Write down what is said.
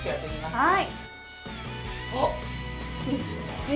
はい。